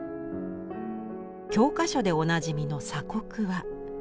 教科書でおなじみの「鎖国」は。